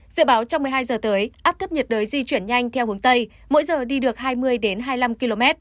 dự báo trong một mươi hai h tới áp thấp nhiệt đới di chuyển nhanh theo hướng tây mỗi giờ đi được hai mươi hai mươi năm km